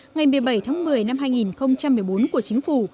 ngày một mươi bảy tháng một mươi năm hai nghìn một mươi bốn của chính phủ